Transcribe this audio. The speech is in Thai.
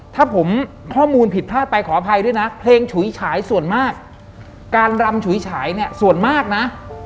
ถ้าผมข้อมูลผิดพลาดไปขออภัยด้วยนะเพลงฉุยฉายส่วนมากการรำฉุยฉายเนี่ยส่วนมากนะ